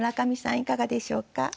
いかがでしょうか？